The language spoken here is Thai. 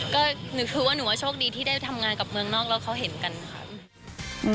ก็คือว่าหนูว่าโชคดีที่ได้ทำงานกับเมืองนอกแล้วเขาเห็นกันค่ะ